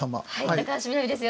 高橋みなみです。